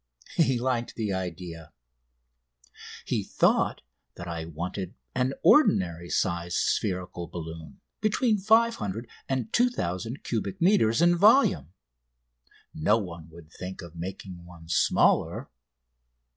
He liked the idea. He thought that I wanted an ordinary sized spherical balloon, between 500 and 2000 cubic metres in volume. No one would think of making one smaller.